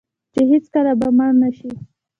چې هیڅکله به مړ نشي.